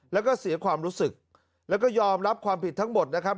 แล้วก็เสียความรู้สึกแล้วก็ยอมรับความผิดทั้งหมดนะครับ